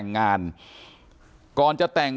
ขอบคุณมากครับขอบคุณมากครับ